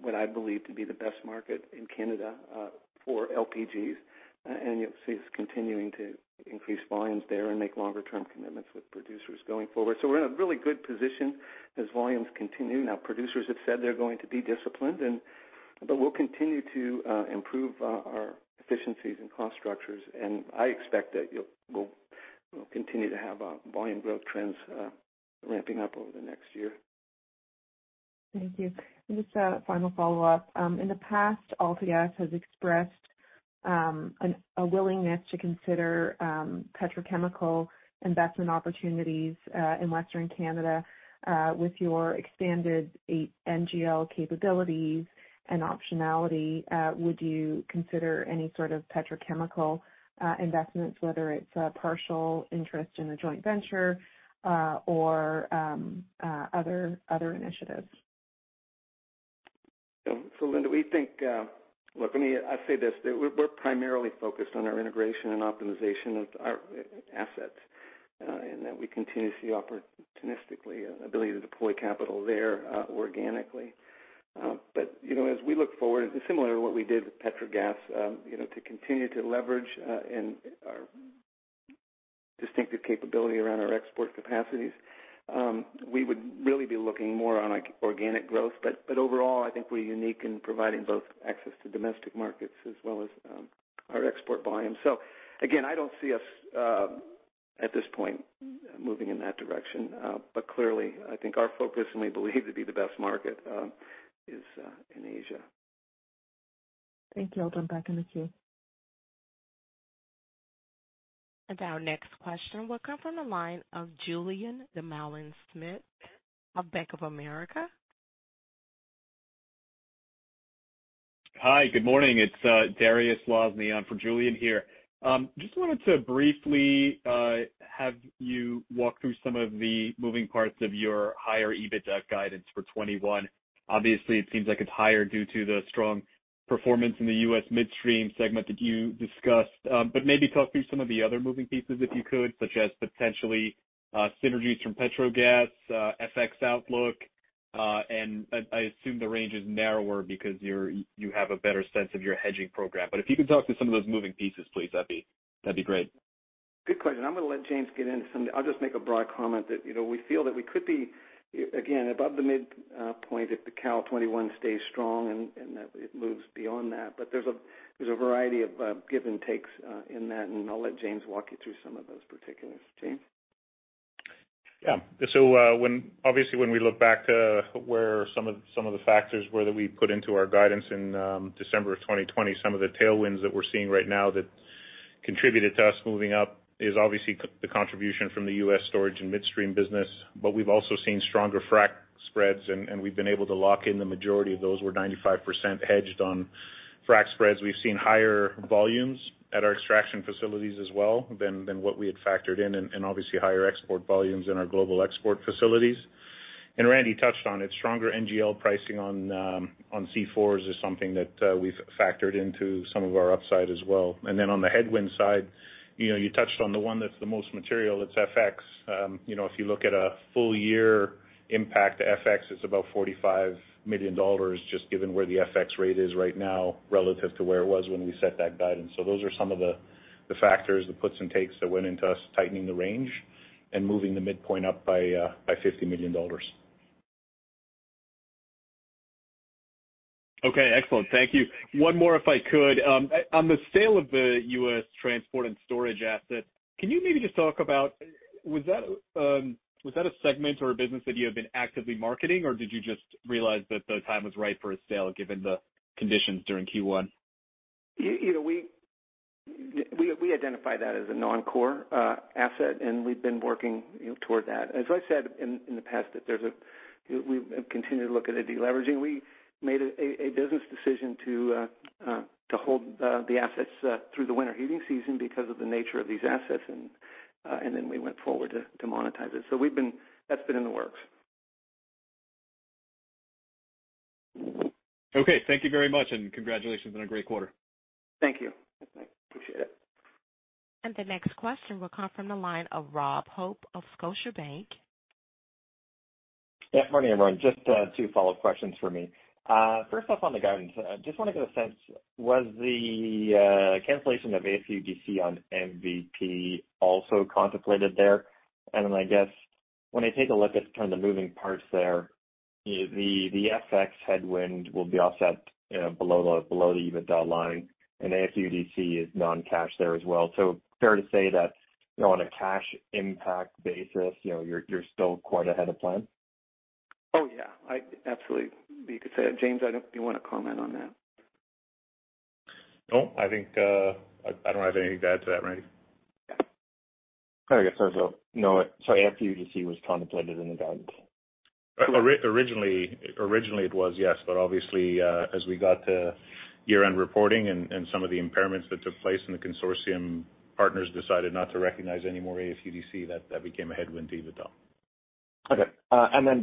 Speaker 3: what I believe to be the best market in Canada for LPGs, and you'll see us continuing to increase volumes there and make longer-term commitments with producers going forward. We're in a really good position as volumes continue. Producers have said they're going to be disciplined, but we'll continue to improve our efficiencies and cost structures, and I expect that we'll continue to have volume growth trends ramping up over the next year.
Speaker 9: Thank you. Just a final follow-up. In the past, AltaGas has expressed a willingness to consider petrochemical investment opportunities in Western Canada. With your expanded NGL capabilities and optionality, would you consider any sort of petrochemical investments, whether it's a partial interest in a joint venture or other initiatives?
Speaker 3: Linda, look, let me say this. We're primarily focused on our integration and optimization of our assets, and that we continue to see opportunistically an ability to deploy capital there organically. As we look forward, similar to what we did with Petrogas, to continue to leverage our distinctive capability around our export capacities we would really be looking more on organic growth. Overall, I think we're unique in providing both access to domestic markets as well as our export volume. Again, I don't see us at this point moving in that direction. Clearly, I think our focus, and we believe to be the best market, is in Asia.
Speaker 9: Thank you. I'll turn it back in the queue.
Speaker 1: Our next question will come from the line of Julien Dumoulin-Smith of Bank of America.
Speaker 10: Hi, good morning. It's Dariusz Lozny on for Julien here. Just wanted to briefly have you walk through some of the moving parts of your higher EBITDA guidance for 2021. Obviously, it seems like it's higher due to the strong performance in the U.S. midstream segment that you discussed. Maybe talk through some of the other moving pieces, if you could, such as potentially synergies from Petrogas, FX outlook, and I assume the range is narrower because you have a better sense of your hedging program. If you could talk through some of those moving pieces, please, that'd be great.
Speaker 3: Good question. I'm gonna let James get into some. I'll just make a broad comment that we feel that we could be, again, above the midpoint if the Cal '21 stays strong and that it moves beyond that. There's a variety of give and takes in that, and I'll let James walk you through some of those particulars. James?
Speaker 4: Obviously, when we look back to where some of the factors were that we put into our guidance in December of 2020, some of the tailwinds that we're seeing right now that contributed to us moving up is obviously the contribution from the U.S. storage and midstream business. We've also seen stronger frac spreads, and we've been able to lock in the majority of those. We're 95% hedged on frac spreads. We've seen higher volumes at our extraction facilities as well than what we had factored in, and obviously higher export volumes in our global export facilities. Randy touched on it, stronger NGL pricing on C4s is something that we've factored into some of our upside as well. On the headwind side, you touched on the one that's the most material, it's FX. If you look at a full-year impact to FX, it's about 45 million dollars, just given where the FX rate is right now relative to where it was when we set that guidance. Those are some of the factors, the puts and takes that went into us tightening the range and moving the midpoint up by 50 million dollars.
Speaker 10: Okay, excellent. Thank you. One more, if I could. On the sale of the U.S. transport and storage asset, can you maybe just talk about, was that a segment or a business that you have been actively marketing, or did you just realize that the time was right for a sale given the conditions during Q1?
Speaker 3: We identified that as a non-core asset, and we've been working toward that. As I said in the past, that we've continued to look at a deleveraging. We made a business decision to hold the assets through the winter heating season because of the nature of these assets, and then we went forward to monetize it. That's been in the works.
Speaker 10: Okay. Thank you very much. Congratulations on a great quarter.
Speaker 3: Thank you. I appreciate it.
Speaker 1: The next question will come from the line of Rob Hope of Scotiabank.
Speaker 11: Morning, everyone. Just two follow-up questions for me. First off, on the guidance, I just want to get a sense. Was the cancellation of AFUDC on MVP also contemplated there? I guess, when I take a look at kind of the moving parts there, the FX headwind will be offset below the EBITDA line and AFUDC is non-cash there as well. Fair to say that on a cash impact basis, you're still quite ahead of plan?
Speaker 3: Oh, yeah. Absolutely, you could say that. James, do you want to comment on that?
Speaker 4: No, I don't have anything to add to that, Randy.
Speaker 11: I guess as well. AFUDC was contemplated in the guidance?
Speaker 4: Originally it was, yes. Obviously, as we got to year-end reporting and some of the impairments that took place and the consortium partners decided not to recognize any more AFUDC, that became a headwind to EBITDA.
Speaker 11: Okay.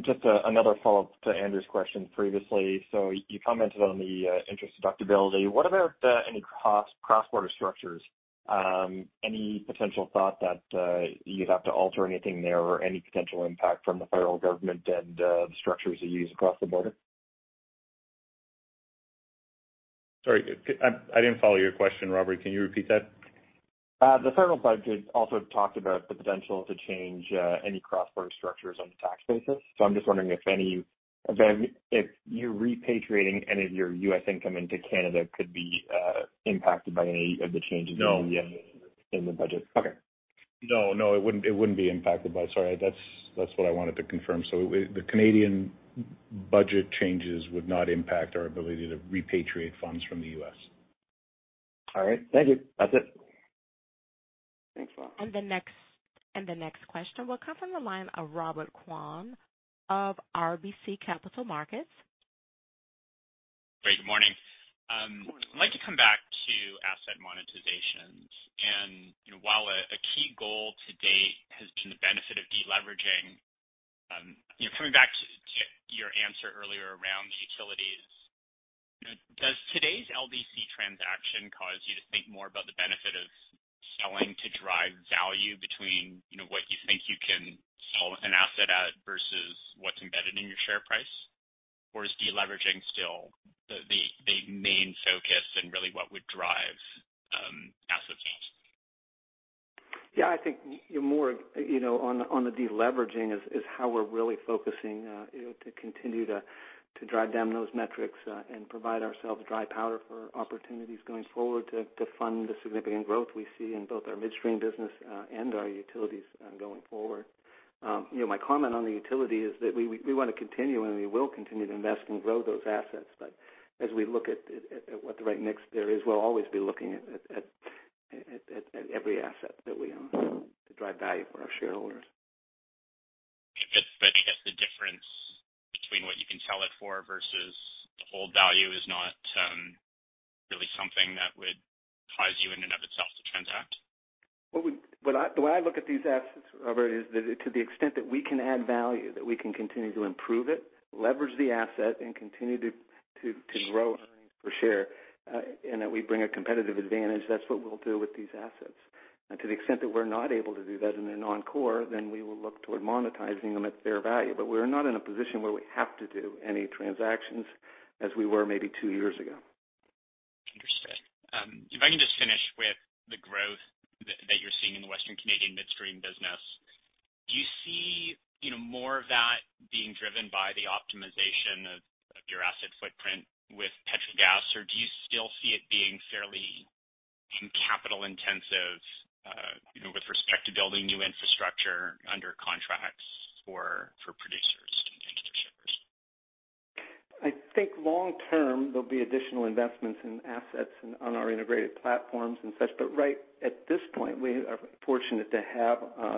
Speaker 11: Just another follow-up to Andrew's question previously. You commented on the interest deductibility. What about any cross-border structures? Any potential thought that you'd have to alter anything there or any potential impact from the federal government and the structures you use across the border?
Speaker 4: Sorry, I didn't follow your question, Robert. Can you repeat that?
Speaker 11: The federal budget also talked about the potential to change any cross-border structures on the tax basis. I'm just wondering if you repatriating any of your U.S. income into Canada could be impacted by any of the changes.
Speaker 4: No.
Speaker 11: In the budget. Okay.
Speaker 4: No, it wouldn't be impacted by Sorry, that's what I wanted to confirm. The Canadian budget changes would not impact our ability to repatriate funds from the U.S.
Speaker 11: All right. Thank you. That's it.
Speaker 3: Thanks, Rob.
Speaker 1: The next question will come from the line of Robert Kwan of RBC Capital Markets.
Speaker 12: Great. Good morning.
Speaker 3: Morning.
Speaker 12: I'd like to come back to asset monetization. While a key goal to date has been the benefit of deleveraging, coming back to your answer earlier around the utilities, does today's LDC transaction cause you to think more about the benefit of selling to drive value between what you think you can sell an asset at versus what's embedded in your share price? Is deleveraging still the main focus and really what would drive asset sales?
Speaker 3: I think more on the deleveraging is how we're really focusing to continue to drive down those metrics and provide ourselves dry powder for opportunities going forward to fund the significant growth we see in both our midstream business and our utilities going forward. My comment on the utility is that we want to continue, and we will continue to invest and grow those assets. As we look at what the right mix there is, we'll always be looking at every asset that we own to drive value for our shareholders.
Speaker 12: I guess the difference between what you can sell it for versus the whole value is not really something that would cause you in and of itself to transact?
Speaker 3: The way I look at these assets, Robert, is that to the extent that we can add value, that we can continue to improve it, leverage the asset, and continue to grow earnings per share, and that we bring a competitive advantage, that's what we'll do with these assets. To the extent that we're not able to do that and they're non-core, then we will look toward monetizing them at fair value. We're not in a position where we have to do any transactions as we were maybe two years ago.
Speaker 12: Understood. If I can just finish with the growth that you're seeing in the Western Canadian Midstream Business. Do you see more of that being driven by the optimization of your asset footprint with Petrogas? Or do you still see it being fairly capital intensive with respect to building new infrastructure under contracts for producers and shippers.
Speaker 3: I think long term there'll be additional investments in assets and on our integrated platforms and such. Right at this point, we are fortunate to have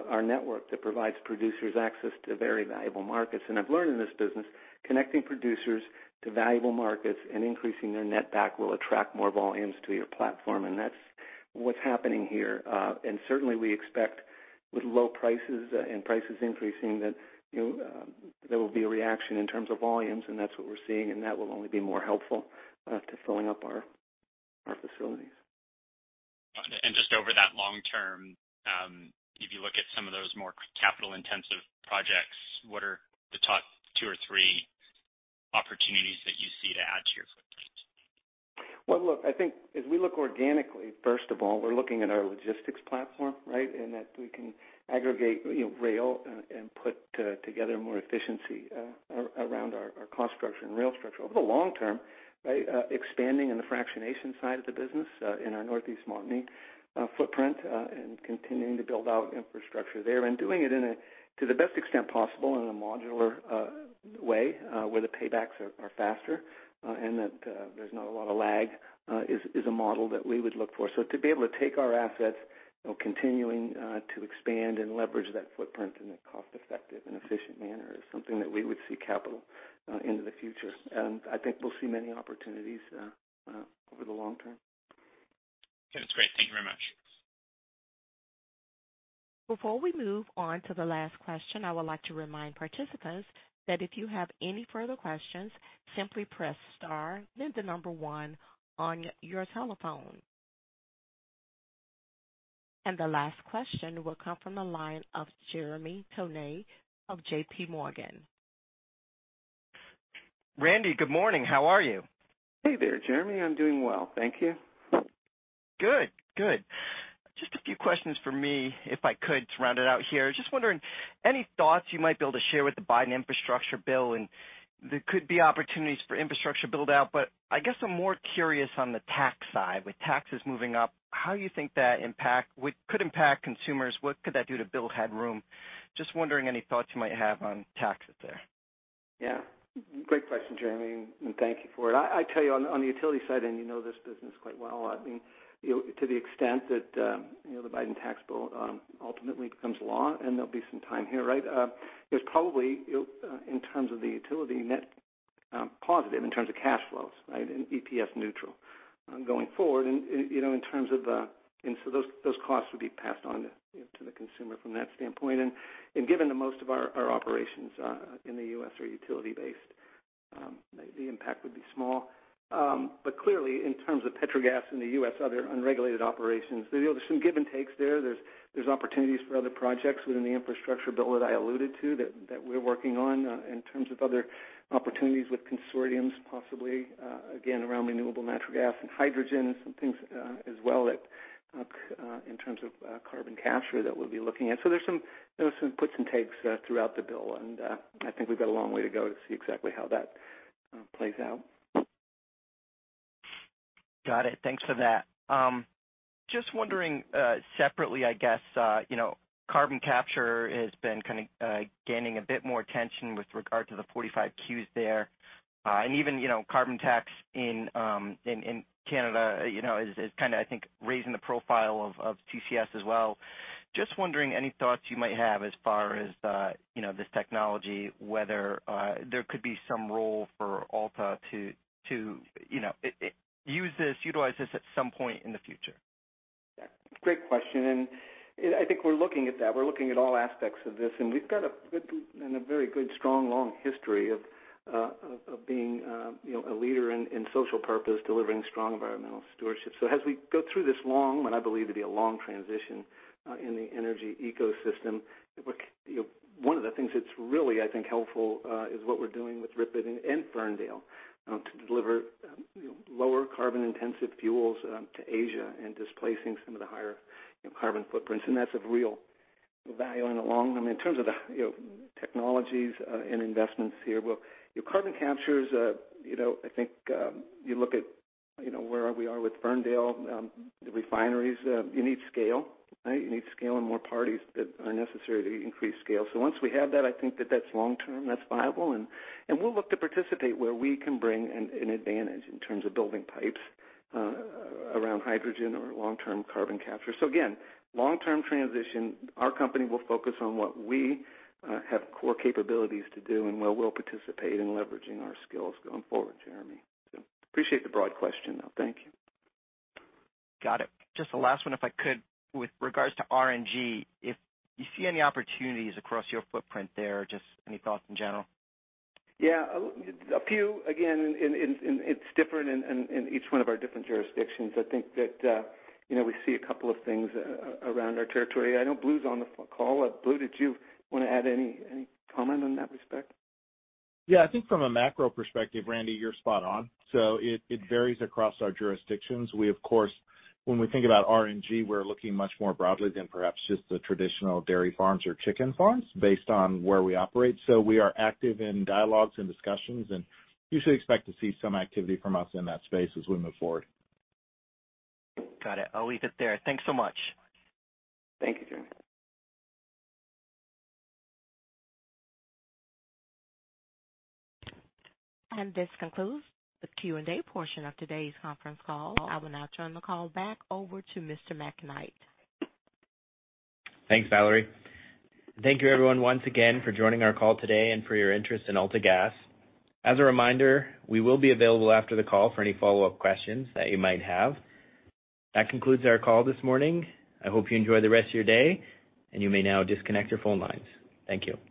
Speaker 3: our network that provides producers access to very valuable markets. I've learned in this business, connecting producers to valuable markets and increasing their netback will attract more volumes to your platform. That's what's happening here. Certainly, we expect with low prices and prices increasing, that there will be a reaction in terms of volumes, and that's what we're seeing, and that will only be more helpful to filling up our facilities.
Speaker 12: Just over that long term, if you look at some of those more capital-intensive projects, what are the top two or three opportunities that you see to add to your footprint?
Speaker 3: Well, look, I think as we look organically, first of all, we're looking at our logistics platform, right? In that we can aggregate rail and put together more efficiency around our cost structure and rail structure over the long term, right? Expanding in the fractionation side of the business in our Northeast Montney footprint, and continuing to build out infrastructure there and doing it to the best extent possible in a modular way, where the paybacks are faster and that there's not a lot of lag, is a model that we would look for. To be able to take our assets, continuing to expand and leverage that footprint in a cost-effective and efficient manner is something that we would see capital into the future. I think we'll see many opportunities over the long term.
Speaker 12: Okay, that's great. Thank you very much.
Speaker 1: Before we move on to the last question, I would like to remind participants that if you have any further questions, simply press star then the number one on your telephone. The last question will come from the line of Jeremy Tonet of JPMorgan.
Speaker 13: Randy, good morning. How are you?
Speaker 3: Hey there, Jeremy. I'm doing well. Thank you.
Speaker 13: Good. Just a few questions from me, if I could, to round it out here. Just wondering, any thoughts you might be able to share with the Biden infrastructure bill, and there could be opportunities for infrastructure build-out, but I guess I'm more curious on the tax side. With taxes moving up, how you think that could impact consumers? What could that do to bill headroom? Just wondering, any thoughts you might have on taxes there.
Speaker 3: Yeah. Great question, Jeremy, and thank you for it. I tell you on the utility side, and you know this business quite well, to the extent that the Biden tax bill ultimately becomes law, and there'll be some time here, right? It's probably, in terms of the utility, net positive in terms of cash flows, right, and EPS neutral going forward. Those costs would be passed on to the consumer from that standpoint. Given that most of our operations in the U.S. are utility-based, the impact would be small. Clearly, in terms of Petrogas in the U.S., other unregulated operations, there's some give and takes there. There's opportunities for other projects within the infrastructure bill that I alluded to that we're working on in terms of other opportunities with consortiums, possibly, again, around renewable natural gas and hydrogen. Some things as well in terms of carbon capture that we'll be looking at. There's some puts and takes throughout the bill, and I think we've got a long way to go to see exactly how that plays out.
Speaker 13: Got it. Thanks for that. Just wondering, separately, I guess, carbon capture has been kind of gaining a bit more attention with regard to the 45Q there. Even carbon tax in Canada is kind of, I think, raising the profile of CCS as well. Just wondering, any thoughts you might have as far as this technology, whether there could be some role for AltaGas to utilize this at some point in the future?
Speaker 3: Great question. I think we're looking at that. We're looking at all aspects of this. We've got a very good, strong, long history of being a leader in social purpose, delivering strong environmental stewardship. As we go through this long, what I believe to be a long transition in the energy ecosystem, one of the things that's really, I think, helpful is what we're doing with RIPET and Ferndale to deliver lower carbon-intensive fuels to Asia and displacing some of the higher carbon footprints. That's of real value in the long run. In terms of the technologies and investments here, carbon capture is, I think, you look at where we are with Ferndale, the refineries, you need scale, right? You need scale and more parties that are necessary to increase scale. Once we have that, I think that that's long-term, that's viable, and we'll look to participate where we can bring an advantage in terms of building pipes around hydrogen or long-term carbon capture. Again, long-term transition, our company will focus on what we have core capabilities to do and where we'll participate in leveraging our skills going forward, Jeremy. Appreciate the broad question, though. Thank you.
Speaker 13: Got it. Just the last one, if I could, with regards to RNG, if you see any opportunities across your footprint there, just any thoughts in general?
Speaker 3: Yeah. A few. Again, it's different in each one of our different jurisdictions. I think that we see a couple of things around our territory. I know Blue's on the call. Blue, did you want to add any comment on that respect?
Speaker 14: Yeah. I think from a macro perspective, Randy, you're spot on. It varies across our jurisdictions. We, of course, when we think about RNG, we're looking much more broadly than perhaps just the traditional dairy farms or chicken farms based on where we operate. We are active in dialogues and discussions, and you should expect to see some activity from us in that space as we move forward.
Speaker 13: Got it. I'll leave it there. Thanks so much.
Speaker 3: Thank you, Jeremy.
Speaker 1: This concludes the Q&A portion of today's conference call. I will now turn the call back over to Mr. McKnight.
Speaker 2: Thanks, Valerie. Thank you everyone once again for joining our call today and for your interest in AltaGas. As a reminder, we will be available after the call for any follow-up questions that you might have. That concludes our call this morning. I hope you enjoy the rest of your day, and you may now disconnect your phone lines. Thank you.